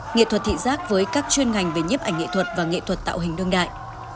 nghệ thuật thị giác với các chuyên ngành về nhiếp ảnh nghệ thuật và nghệ thuật tạo hình đương đại